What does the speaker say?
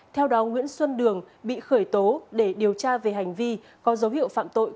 theo đó nguyễn xuân đường bị khởi tố để điều tra về hành vi có dấu hiệu phạm tội